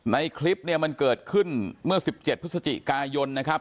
ในคลิปเนี่ยมันเกิดขึ้นเมื่อ๑๗พฤศจิกายนนะครับ